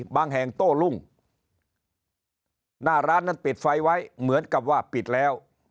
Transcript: บางแห่งโต้รุ่งหน้าร้านนั้นปิดไฟไว้เหมือนกับว่าปิดแล้ว